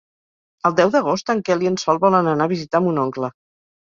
El deu d'agost en Quel i en Sol volen anar a visitar mon oncle.